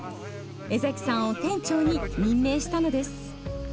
江崎さんを店長に任命したのです。